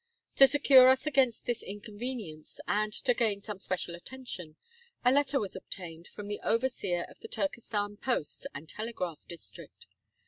To secure us against this inconvenience, and to gain some special attention, a letter was obtained from the overseer of the Turkestan post and telegraph district.